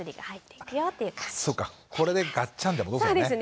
これでガッチャンで戻すのね。